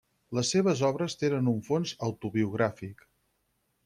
Les seves obres tenen un fons autobiogràfic.